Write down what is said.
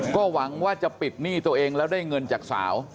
ก็หวังว่าจะปิดหนี้ตัวเองแล้วได้เงินจากสาว